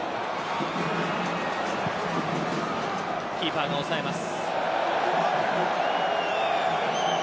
キーパーが押さえます。